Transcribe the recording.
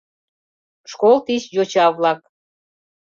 Школ тич йоча-влак.